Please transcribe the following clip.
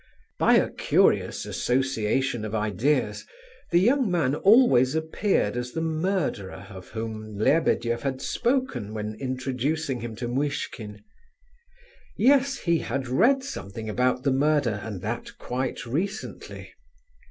By a curious association of ideas, the young man always appeared as the murderer of whom Lebedeff had spoken when introducing him to Muishkin. Yes, he had read something about the murder, and that quite recently.